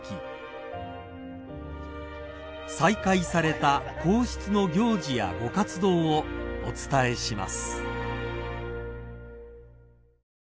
［再開された皇室の行事やご活動をお伝えします］